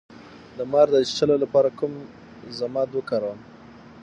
د مار د چیچلو لپاره کوم ضماد وکاروم؟